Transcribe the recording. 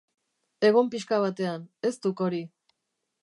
Egon pixka batean, ez duk hori.